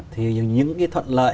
thì những cái thuận lợi